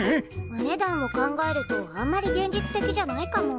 お値段を考えるとあんまり現実的じゃないかも。